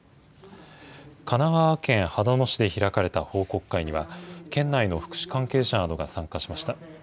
神奈川県秦野市で開かれた報告会には、県内の福祉関係者などが参加しました。